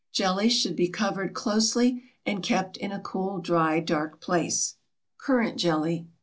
Jellies should be covered closely and kept in a cool, dry, dark place. CURRANT JELLY.